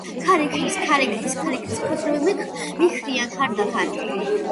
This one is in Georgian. ქარი ჰქრის, ქარი ჰქრის ,ქარი ჰქრის ფოტლები მიქროდა ქარდაქარ.